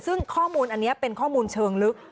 ซึ่งข้อมูลอันนี้เป็นข้อมูลเชิงลึก